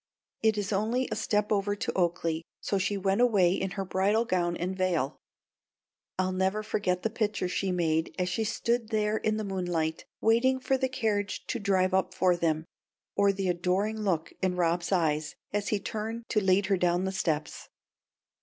It is only a step over to Oaklea, so she went away in her bridal gown and veil. I'll never forget the picture she made as she stood there in the moonlight, waiting for the carriage to drive up for them, or the adoring look in Rob's eyes as he turned to lead her down the steps.